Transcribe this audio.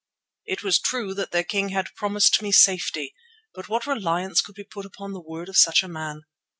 It was true that their king had promised me safety, but what reliance could be put upon the word of such a man?